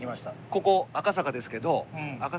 ここ赤坂ですけど。